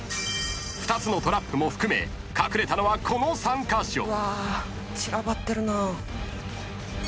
［２つのトラップも含め隠れたのはこの３カ所］うわ散らばってるな。